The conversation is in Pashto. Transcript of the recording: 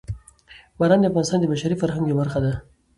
باران د افغانستان د بشري فرهنګ یوه برخه ده.